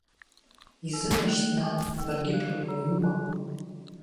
Изынашьҭ, нан, баргьы бтәымуаҩума?